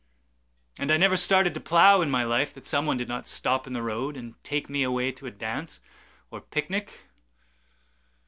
And I never started to plow in my lifeThat some one did not stop in the roadAnd take me away to a dance or picnic.